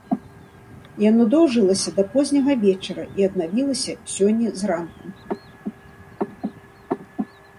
Яно доўжылася да позняга вечара і аднавілася сёння зранку.